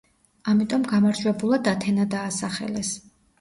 ამიტომ გამარჯვებულად ათენა დაასახელეს.